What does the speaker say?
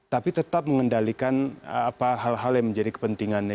tapi tetap mengendalikan hal hal yang menjadi kepentingannya